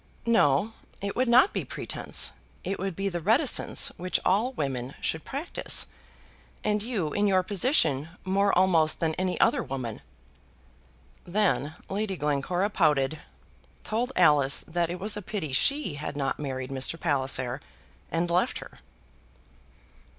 "No; it would not be pretence; it would be the reticence which all women should practise, and you, in your position, more almost than any other woman." Then Lady Glencora pouted, told Alice that it was a pity she had not married Mr. Palliser, and left her.